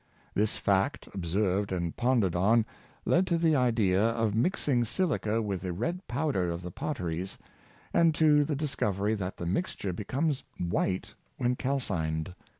This fact, ob served and pondered on, led to the idea of mixing silica with the red powder of the potteries, and to the dis covery that the mixture becomes white when calcined.